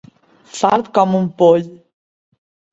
Fart com un poll.